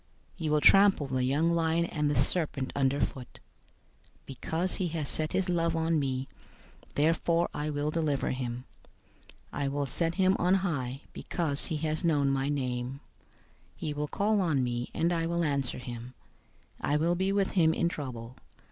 You will trample the young lion and the serpent underfoot. 091:014 "Because he has set his love on me, therefore I will deliver him. I will set him on high, because he has known my name. 091:015 He will call on me, and I will answer him. I will be with him in trouble.